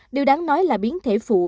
điều đáng nói là biến thể phụ ba hai